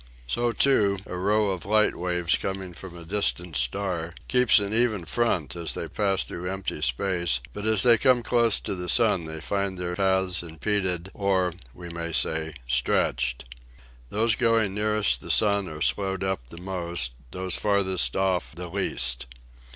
So, too, a row of light waves coming from a dis tant star keeps an even front as they pass through empty space but as they come close to the sun they find their paths impeded, or, we may say, stretched. Those going nearest the sun are slowed up the most; those farthest off the least.